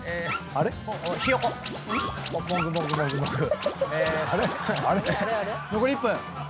あれっ？残り１分。